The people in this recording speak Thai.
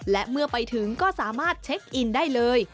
และเมื่อไปถึงก็สามารถเช็คอินได้เลย